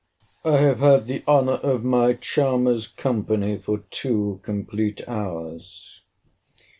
I have had the honour of my charmer's company for two complete hours.